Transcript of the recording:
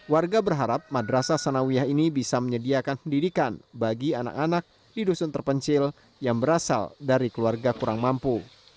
warga berharap madrasah sanawiyah ini bisa menyediakan pendidikan bagi anak anak di dusun terpencil yang berasal dari keluarga kurang mampu